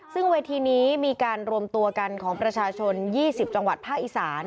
ซึ่งเวทีนี้มีการรวมตัวกันของประชาชน๒๐จังหวัดภาคอีสาน